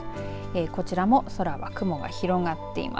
こちらも空は雲が広がっています。